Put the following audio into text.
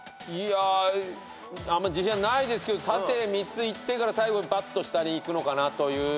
あんま自信はないですけど縦３ついってから最後下にいくのかなという。